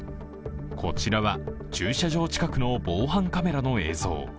こちらは駐車場近くの防犯カメラの映像。